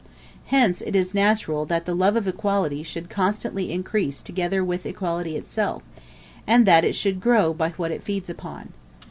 Hence it is natural that the love of equality should constantly increase together with equality itself, and that it should grow by what it feeds upon.